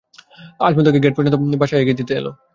আজমল তাঁকে গেট পর্যন্ত এগিয়ে দিতে এল।